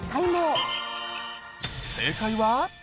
正解は。